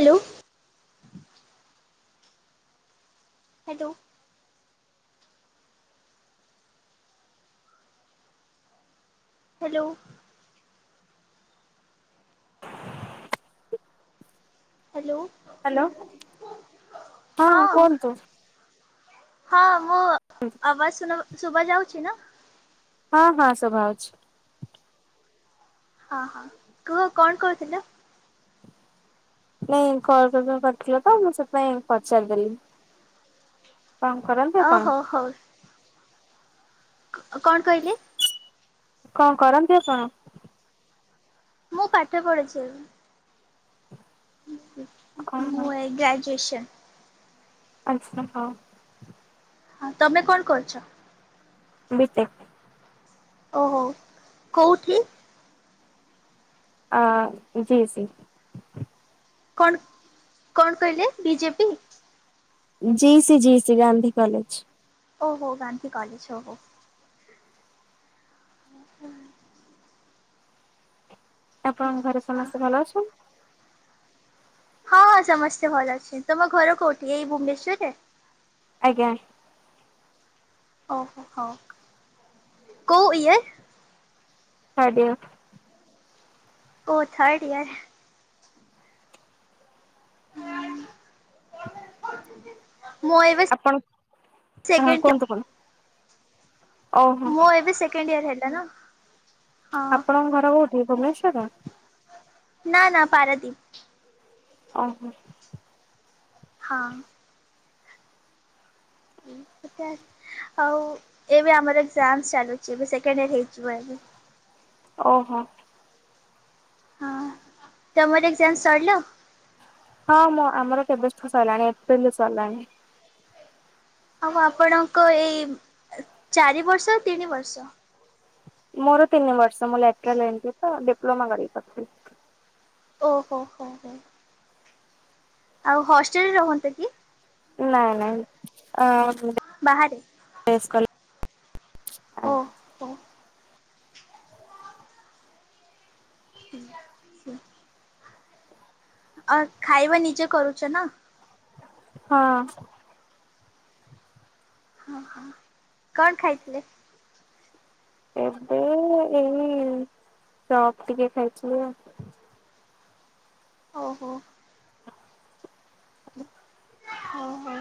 Hello. Hello. Hello. Hello hello ହଁ। ହଁ ମୋ ଆବାଜ ଶୁନ ଶୁଭା ଯାଉଛି ନା? ହଁ ହଁ ଶୁଭା ଯାଉଛି। ହଁ ହଁ କୁହ କଣ କହୁଥିଲ? ନାଇଁ କଲ କୋଉଡ଼ିନ କରିଥିଲ ତ ମୁଁ ସେଥିପାଇଁ ପଚାରଦେଲି। କଣ କରନ୍ତି ଓ ଆପଣ? କ-କଣ କହିଲେ? କଣ କରନ୍ତି ଆପଣ? ମୁଁ ପାଠ ପଢିଛି କଣ ମୁଁ ଏ ଗ୍ରାଜୁଏସନ୍ ଆଛା ହୋଉ ହଁ ତମେ କଣ କରୁଛ? ବିିଟେକ୍ ଓହୋ କୋଉଠି ଆ ଜି ସି କଣ କଣ କହିଲେ BJP ji C G C Gandhi college ଓହୋ ଗାନ୍ଧୀ କଲେଜ ଓ ହୋ ଆପଣଙ୍କ ଘରେ ଆଚ୍ଛା। ସମସ୍ତେ ଭଲ ଅଛନ୍ ହଁ ସମସ୍ତେ ଭଲ ଅଛି ତମ ଘର କୋଉଠି ଏଇ ଭୁବନେଶ୍ଵରରେ ଆଜ୍ଞା ଓହୋ ହ କୋଉ ଇଏ [unintelligible] ଓ ଥର୍ଡ ଇୟର ମୁଁ ଏବେ ଆପଣ ହଁ ସେକଣ୍ଡ କୁହନ୍ତୁ କୁହନ୍ତୁ। ଓହୋ ମୁଁ ଏବେ ସେକେଣ୍ଡ ଇୟର ହେଲା ନା ହଁ ଆପଣଙ୍କ ଘର କୋଉଠି ଭୁବନେଶ୍ଵର? ନା ନା ପାରାଦୀପ ଓହୋ ହଁ ସେଟା ଆଉ ଏବେ ଆମର ଏକ୍ସାମ ଚାଲୁଛି ଏବେ ସେକଣ୍ଡ ଇ ହେଇଯିବ ଏ ଓହୋ ହଁ ତମର ଏକଜାମ ସଇଲା ହଁ ମଁ ଆମର କେବେ ଠୁ ସରିଲାଣି ଏପ୍ରିଲରୁ ସରିଲାଣି ଆଉ ଆପଣଙ୍କ ଏଇ ଚାରି ବର୍ଷ ତିନି ବର୍ଷ ମୋର ତିନି ବର୍ଷ ମୁଁ ଲେଟଲ ଏମତି ତ ଡିପ୍ଲୋମା କରି ପାରୁଥିଲି ଓ ହୋ ହୋ ହୋ ଆଉ ହଷ୍ଟେଲରେ ରହନ୍ତେ କି ନାଇଁ ନାଇଁ ଆ ବାହାରେ କଲେଜ ଓ ହୋ ହ ହ [unintelligible] ଅ ଖାଇବା ନିଜେ କରୁଛ ନା ହଁ ହ ହୋ କଣ ଖାଇଥିଲେ? ଏବେ ଏଇ ଚପ ଟିକେ ଖାଇଥିଲି ଆଉ ଓହୋ ହୁଁ [unintelligible] ହଉ ହଉ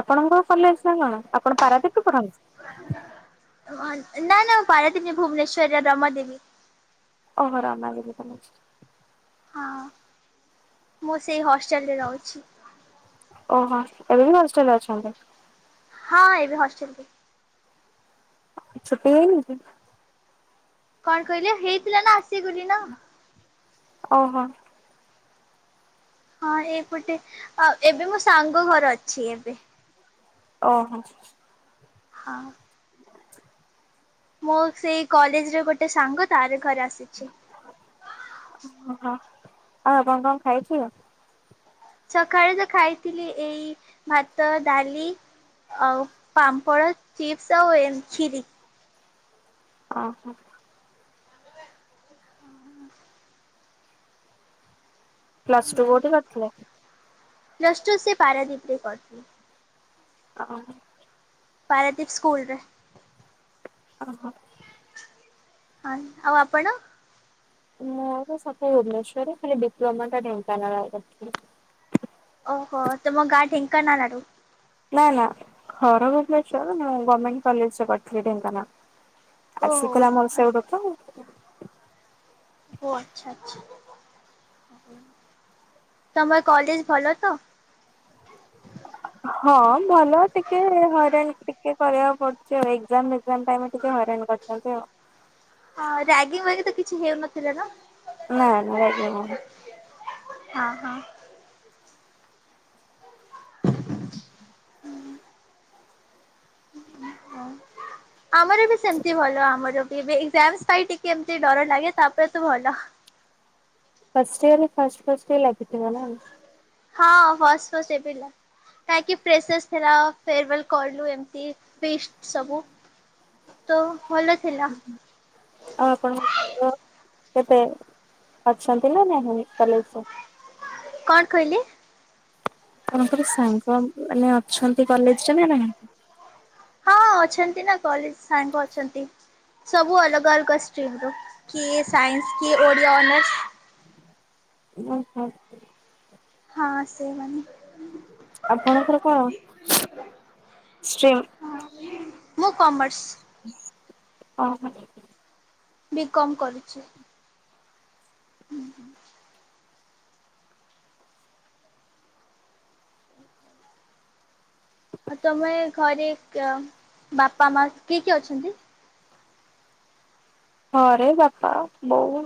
ଆପଣଙ୍କ କଲେଜ ନା କଣ ଆପଣ ପାରାଦୀପ ପଢ଼ନ୍ତି? ଅ ନା ନା ମୁଁ ପାାରଦିନି ଭୁବନେଶ ରରେ ରମାଦେବୀ ଓହୋ ରାମଦେବି କଲେଜ୍ ହଁ ମୁଁ ସେଇ ହଷ୍ଟେଲରେ ରହୁଛି। ଓହୋ ଏବେ ବି ହଷ୍ଟେଲରେ ଅଛନ୍ତି। ହଁ ଏବେ ହଷ୍ଟେଲରେ। ଛୁଟି ହେଇନି କି। କଣ କହିଲେ ହେଇଥିଲା ନା ଆସିଗଲି ନା। ଓହୋ। ହଁ ଏଇପଟେ ଆଉ ଏବେ ମୋ ସାଙ୍ଗ ଘର ଅଛି ଏବେ। ଓହୋ। ହଁ। ମୁଁ ସେଇ କଲେଜରେ ଗୋଟେ ସାଙ୍ଗ ତାର ଙ୍କର ଆସିଛି। ଓହୋ ଆଉ ଆପଣ କଣ ଖାଇଥିଲେ? ସକାଳେ ତ ଖାଇଥିଲି ଏଇ ଭାତ ଡାଲି। ଆଉ ପାମ୍ପଡ ଚିପ୍ସ ଆଉ ଏ ଖିରି। ଓହୋ। ପ୍ଲସ ଟୁ କୋଉଠି କରିଥିଲେ? ପ୍ଲସ ଟୁ ସେ ପାରାଦ୍ୱୀପ ରେ କରିଥିଲି। ଓ। ପାରାଦ୍ୱୀପ ସ୍କୁଲରେ। ଓହୋ। ହଁ ଆଉ ଆପଣ। ମୋର ସବୁ ଭୁବନେଶ୍ଵରରେ। ଖାଲି ଡିପ୍ଲୋମା ଟା ଢେଙ୍କାନାଳରେ କରିଥିଲି। ଓହୋ ତମ ଗାଁ ଢେଙ୍କାନାଳାରୁ। ନା ନା ଘର ଭୁବନେଶ୍ୱର ମୁଁ ଗମେଣ୍ଟ କଲେଜରେ ପଢଥିଲି ଢେଙ୍କାନାଲ୍। ଓହୋ ଆସିଥିଲା ମୋର ସେଇଠୁ ତ। ଓ ଆଚ୍ଛା ଆଚ୍ଛା। ତମର କଲେଜ ଭଲ ତ। ହଁ ଭଲ ଟିକେ ହଇରାଣ ଟିକେ କରିବାକୁ ପଡୁଛି ଆଉ। ଏଗଜାମ୍ ଫେଗଜାମ୍ ଟାଇମ୍ ରେ ଟିକେ ହଇରାଣ କରିଛନ୍ତି ଆଉ। ହଁ ରାଗିଙ୍ଗ ବାଗି ତ କିଛି ହେଉନଥିଲେ ନା। ନା ନା ରାଗିଙ୍ଗ୍ ହଉନି। ହଁ ହଁ। ହଁ ଆମର ବି ସେମିତି ଭଲ। ଆମର ବେ ଏଜାମ ପାଇଁ ଟିକେ ଏମିତି ଡରର ଲାଗେ। ତାପରେ ତୁ ଭଲ। ଫାଷ୍ଟ୍ ୟଅରେ ଫାଷ୍ଟ୍ ଫାଷ୍ଟ୍ ଟିକେ ଲାଗିଥିବ ନା। ହଁ ହସ୍ ଫସ୍ ଏ ପିଲା। କାହିଁକି ପ୍ରେସେସ୍ ଥିଲା। ଫେରୁୱେଲ କଲୁ ଏମତି ଫିଷ୍ଟ ସବୁ। ତ। ଭଲ ଥିଲା ଉଁ ହୁଁ ଆଉ ଆପଣଙ୍କ ସାଙ୍ଗ। କେତେ ଅଛନ୍ତି ନା ନାହିଁ କଲେଜ୍ ରେ। କଣ କହିଲେ? ଆପଣଙ୍କର ସାଙ୍ଗ ମାନେ ଅଛନ୍ତି କଲେଜରେ ନା ନାହାନ୍ତି? ହଁ ଅଛନ୍ତି ନା କଲେଜ୍ ସାଙ୍ଗ ଅଛନ୍ତି। ସବୁ ଅଲଗା ଅଲଗା ଷ୍ଟ୍ରିମ୍ ର କିଏ ସାଇନ୍ସ୍ କିଏ ଓଡିଆ ଅନର୍ସ। [inaudible] ଓ ହୋ। ହଁ ସେଇମାନେ। ଆପଣଙ୍କର କଣ ଷ୍ଟ୍ରିମ୍? ମୁଁ କମର୍ସ। ଓହୋ। ବିକମ୍ କରିଛି। ହୁଁ ହୁଁ। ହଁ ତମେ ଘରେ ବାପା ମା କିଏ କିଏ ଅଛନ୍ତି? ଘରେ ବାପା ବୋଉ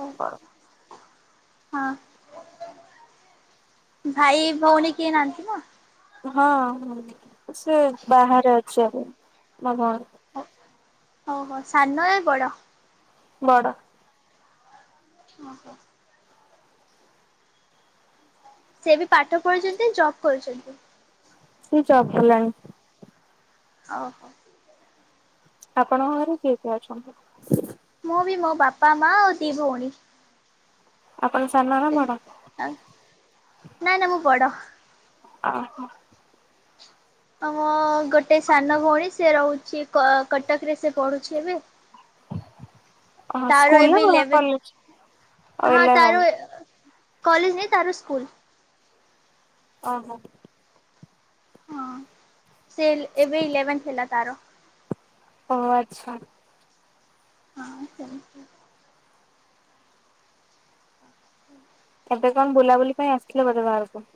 ଓ ହଁ ଭାଇ ଭଉଣୀ କିଏ ନାହାନ୍ତି ନା। ହଁ ସେ ବାହାରେ ଅଛି ଏବେ [unintelligible] ଓହୋ ସାନ ଏ ବଡ ବଡ [unintelligible] ସେ ବି ପାଠ ପଢୁଛନ୍ତି ଜବ କରୁଛନ୍ତି। ସେ ଚଗଲାମି। ଓ ହୋ। ଆପଣଙ୍କ ଘରେ କିଏ କି ଅଛନ୍ତି? ମୁଁ ବି ମୋ ବାପା ମା ଆଉ ଦି ଭଉଣୀ। ଆପଣ ସାନ ନା ଇଁ ବଡ? ଆଁ ନା ନା ମୁଁ ବଡ। ଓହୋ। ଓହ ଗୋଟେ ସାନ ଭଉଣୀ ସେ ରହୁଛି କଟକ ରେ ସେ ପଡୁଛି ଏବେ। [unintelligible] ଓହୋ ତାର ସ୍କୁଲ ଏବେ ନା କଲେଜ ଓ ଇଲେଭେନ୍ଥ ହଁ ତାର। ଇଲେଭେନ୍ କଲେଜ ହିଁ ତାର ସ୍କୁଲ। ଓହୋ। ହଁ ସେ ଏବେ ଇଲେଭେନ୍ଥ ହେଲା ତାର। ଓହ ଆଚ୍ଛା। ହଁ ସେମିତି [unintelligible] ଏବେ କଣ ବୁଲାବୁଲି ପାଇଁ ଆସିଥିଲ ବୋଧେ ବାହାରକୁ।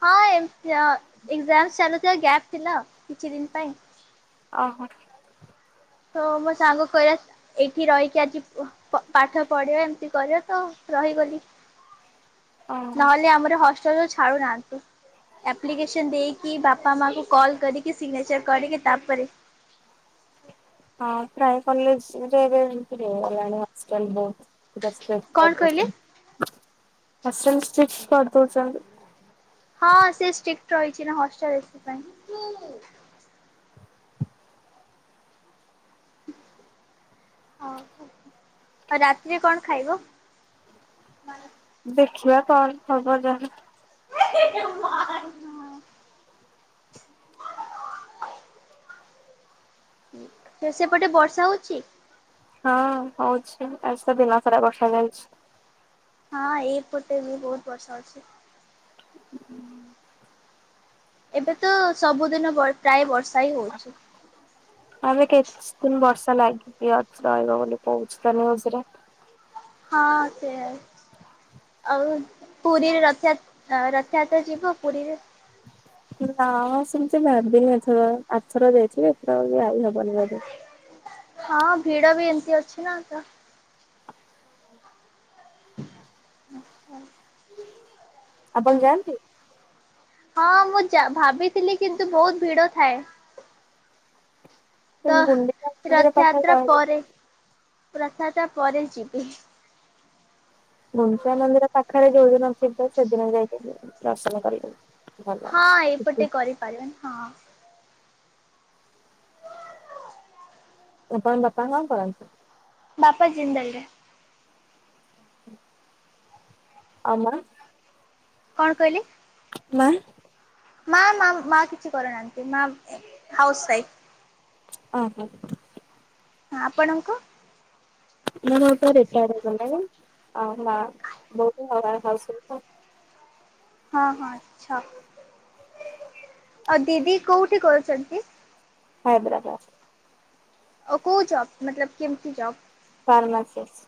ହଁ ଏମତି ଆଉ ଏକ୍ସଜାମ୍ ଚାଲୁଥିବା ଗ୍ୟାପ ଥିଲା କିଛି ଦିନ ପାଇଁ। ଓହ ତ ମୋ ସାଙ୍ଗ କହିଲା ଏଇଠି ରହିକି ଆଜି। ପାଠ ପଢିବା ଏମତି କରିବା ତ ରହିଗଲି ଓହୋ ନହେଲେ ଆମର ହଷ୍ଟ୍ ଚଲ ଛାଡ଼ୁନାହାନ୍ତି। ଆପ୍ଲିକେସନ ଦେଇକି ବାପା ମାଙ୍କୁ କଲ କରିକି ସିଗ୍ନେଚର କରିକି ତାପରେ। [unintelligible] ହଁ। ହଁ ପ୍ରାୟ କଲେଜରେ ଏବେ ଏଣ୍ଟ୍ରି ହୋଇଗଲାଣି ହଷ୍ଟେଲ ବହୁତ। ହଷ୍ଟେଲ କଣ କରି କହିଲେ? ଦେଉଛନ୍ତି ହଷ୍ଟେଲ ଷ୍ଟ୍ରିକ୍ଟ କରିଦଉଛନ୍ତି। ହଁ ସେ ଷ୍ଟ୍ରିକ୍ଟ ରହିଛି ନା ହଷ୍ଟେଲ ପାଇଁ। ହଁ। [unintelligible] ରାତିରେ କଣ ଖାଇବ? ଦେଖିବା କଣ ହବ ଯାହା। [unintelligible] [unintelligible] ସେପଟେ ବର୍ଷା ହଉଛି? ହଁ ହଉଛି ଆ ସେ ଦିନ ସାରା ବର୍ଷା ଯାଉଛି। ହଁ ଏଇପଟେ ବି ବହୁତ ବର୍ଷା ଅଛି। [unintelligible] ଏବେ ତ ସବୁଦିନ ପ୍ରାୟ ବର୍ଷା‌ ଆବେ କିଛି ଦିନ ବର୍ଷ। ଲାଗିକି ଅଛି ରହିବ ବୋଲି କହୁଛି ତ ନ୍ୟୁଜ୍ ରେ। ହଁ ସେ। ଆଉ ପୁରୀରେ ରଥ ଯାତ୍ରା ରଥ ଯାତ୍ରା ଯିବ ପୁରୀରେ। ନା ସେମିତି ଭାବିନି ଏଥର ଆଥର ଯାଇଛି ଏଥର ଯାଇ ହବନି ବୋଧେ। ହଁ ଭିଡ ବି ଏମତି ଅଛି ନା ତ। ଆଛା [unintelligible] ଆପଣ ଯାଆନ୍ତି। ହଁ ମୁଁ ଭାବିଥିଲି କିନ୍ତୁ ବହୁତ ଭିଡ ଥାଏ। ସେ ତ ଗୁଣ୍ଡିଚା ମନ୍ଦିର ପାଖରେ ରଥଯାତ୍ରା ରହିଲେ ପରେ‌। ରଥଯାତ୍ରା ପରେ ଯିବି। ମଞ୍ଚ ମନ୍ଦିର ପାଖରେ ଯୋଉଦିନ ଥିବେ ସେଦିନ ଯାଇକି ଦର୍ଶନ କରିବେ। ହଁ ଏଇପଟେ କରିପାରିବେନି ହଁ। ଆପଣଙ୍କ ବାପା କଣ କରନ୍ତି? ବାପା ଜିନ୍ଦଲରେ। ଆମର କଣ କହିଲେ? ମା? ମା ମ୍ ମା କିଛି କରୁନାହାନ୍ତି ମା ହାଉସ୍ ୱାଇଫ। ଓ ହୋ। ହ ଆପଣଙ୍କ? ମୋର ବାପା ରିଟାରେଡ କଲେଣି। ଆଉ ମା ବହୁତ [unintelligible] ହାଉସ [unintelligible] ହଁ ହଁ ଆଛା। ଆଉ ଦିଦି କୋଉ ଠି କରଛନ୍ତି, ହାଇଦରାବାଦ। ଆଉ କୋଉ ଜବ୍ ମତଲବ କେମିତି ଜବ୍। ଫାର୍ମାସିସ୍।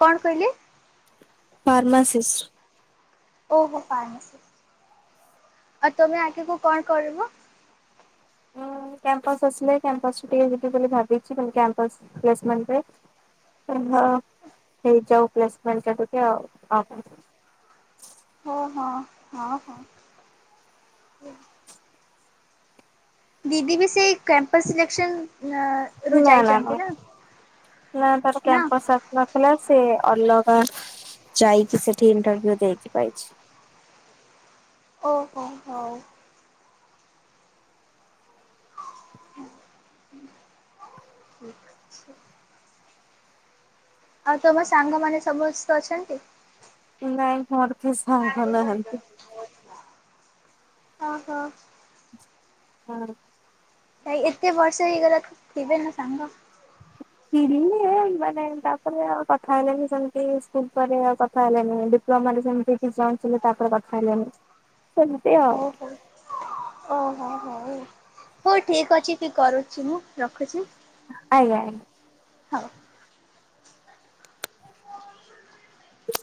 କଣ କହିଲେ? ଫାର୍ମାସିସିଷ୍ଟ। ଓହୋ ପାଇଲେ ସେ। ଆଉ ତମେ ଆଗକୁ କଣ କରିବ? ଅ -ଅ କାମ୍ପସ ଆସିଲେ କ୍ୟାମ୍ପସ ଟିକେ ଯିବି ବୋଲି ଭାବିଛି କେମିତି କ୍ୟାମ୍ପସ ପ୍ଲେସମେଣ୍ଟ ରେ। ହଁ ହେଇ ଯାଉ ପ୍ଲେସମଣ୍ଟରେ ଟିକେ ଆଉ ଆ ହଁ ହଁ ହଁ ହଁ। ଦିଦି ବି ସେଇ କ୍ୟାମ୍ପସ ସିଲେକ୍ସନ୍ ନା ନା ନା, ନା ତାର ନା କ୍ୟାମ୍ପସ ଆସି ନଥିଲା ସିଏ ଅଲଗା ଯାଇକି ସେଠି ଇଣ୍ଟରଭି୍ୟୁ ଦେଇକି ପାଇଛି। ଓହୋ ହଉ। [inaudible] ଆଉ ତମ ସାଙ୍ଗମାନେ ସମୁସ୍ତେ ଅଛନ୍ତି? ନାଇଁ ମୋର କେହି ସାଙ୍ଗ ନାହାନ୍ତି। ଓହୋ। ହଁ। ଏଇ ଏତେ ବର୍ଷ ହେଇଗଲାଣି ଫିର ବି ମୋ ସଙ୍ଗ ଥିଲେ ମାନେ ତାପରେ ଆଉ କଥା ହେଲେନି ସେମିତି ସ୍କୁଲ ପରେ ଆଉ କଥା ହେଲେନି ଡି ତୁମମାନେ ସେମିତି କି ଜାଉଥିଲେ ତାପରେ କଥା ହେଲେଣି ସେମିତି ଆଉ। ଓ ହୋ ହଉ। ହଉ ଠିକ ଅଛି କି କରୁଛି ମୁଁ ରଖୁଛି। ଆଜ୍ଞା ଆଜ୍ଞା। ହଉ, ହ